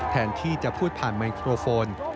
แทนที่จะพูดผ่านไมโครโฟน